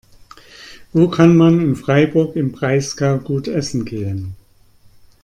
Wo kann man in Freiburg im Breisgau gut essen gehen?